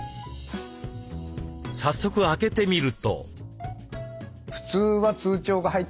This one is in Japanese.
早速開けてみると。